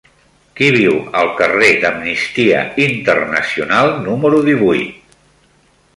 Qui viu al carrer d'Amnistia Internacional número divuit?